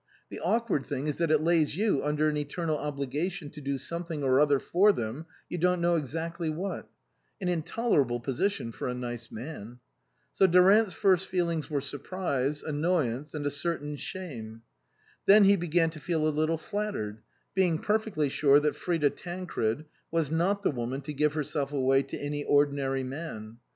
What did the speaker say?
The awkward thing is that it lays you under an eternal obligation to do something or other for them, you don't know exactly what ; an intolerable position for a nice man. So Durant's first feelings were surprise, annoy ance, and a certain shame. Then he began to feel a little flattered, being perfectly sure that Frida Tancred was not the woman to give her self away to any ordinary man.